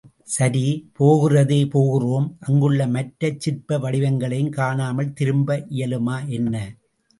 சரி, போகிறதே போகிறோம் அங்குள்ள மற்ற சிற்ப வடிவங்களையும் காணாமல் திரும்ப இயலுமா என்ன?